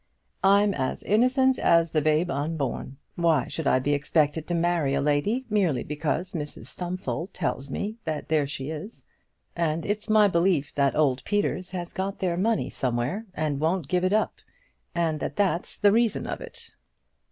"I'm as innocent as the babe unborn. Why should I be expected to marry a lady merely because Mrs Stumfold tells me that there she is? And it's my belief that old Peters has got their money somewhere, and won't give it up, and that that's the reason of it."